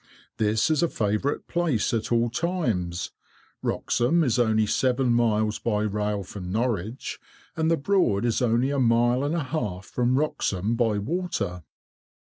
This is a favourite place at all times; Wroxham is only seven miles by rail from Norwich, and the Broad is only a mile and a half from Wroxham by water."